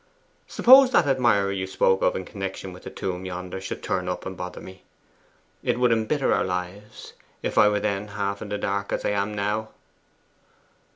Suppose that admirer you spoke of in connection with the tomb yonder should turn up, and bother me. It would embitter our lives, if I were then half in the dark, as I am now!